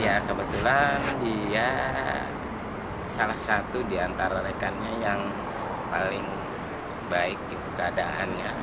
ya kebetulan dia salah satu di antara rekannya yang paling baik gitu keadaannya